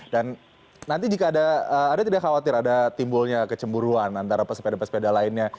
dan nanti jika ada ada tidak khawatir ada timbulnya kecemburuan antara pesepeda pesepeda lainnya